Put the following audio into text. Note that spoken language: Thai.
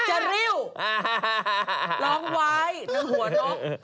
ดักจะริ้วร้องไว้นั่งหัวนก